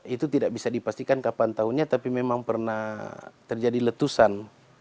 itu tidak bisa dipastikan kapan tahunnya tapi memang pernah terjadi letusan